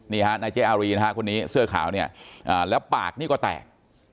นี่ฮะนายเจ๊อารีนะฮะคนนี้เสื้อขาวเนี่ยแล้วปากนี่ก็แตก